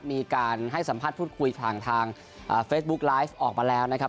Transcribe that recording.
มีการให้สัมภาษณ์พูดคุยผ่านทางเฟซบุ๊กไลฟ์ออกมาแล้วนะครับ